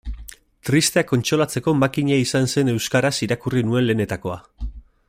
Tristeak kontsolatzeko makina izan zen euskaraz irakurri nuen lehenetakoa.